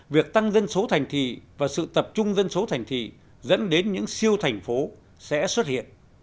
việc tăng dân số thành thị và sự tập trung dân số thành thị dẫn đến những siêu thành phố sẽ xuất hiện